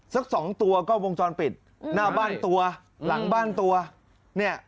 สักสองตัวก็วงจรปิดหน้าบ้านตัวหลังบ้านตัวเนี่ย